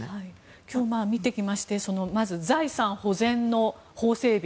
今日、見てきましてまず財産保全の法整備。